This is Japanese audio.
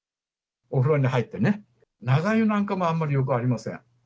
お風呂に入ってね、長湯なんかもあんまりよくありません。